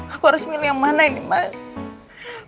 aku harus milih yang mana ini mbak